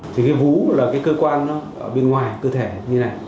thì cái vú là cái cơ quan ở bên ngoài cơ thể như này